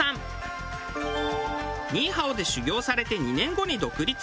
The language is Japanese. ニーハオで修業されて２年後に独立。